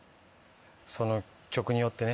その曲によってね。